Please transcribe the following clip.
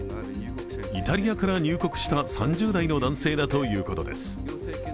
イタリアから入国した３０代の男性だということです。